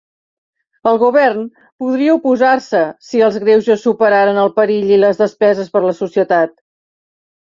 El Govern podria oposar-se si els greuges superaren el perill i les despeses per a la societat.